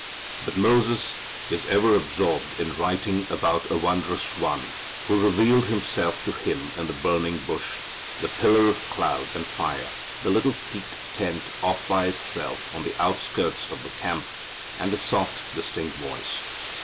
But Moses is ever absorbed in writing about a wondrous One who revealed Himself to him in the burning bush, the pillar of cloud and fire, the little peaked tent off by itself on the outskirts of the camp, and the soft distinct voice.